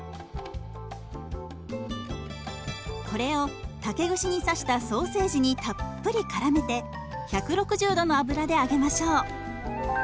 これを竹串に刺したソーセージにたっぷりからめて１６０度の油で揚げましょう。